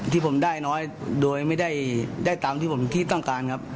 ที่ผมได้น้อยโดยไม่ได้ตามที่ผมที่ต้องการครับ